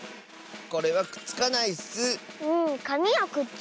これはくっつかないッス！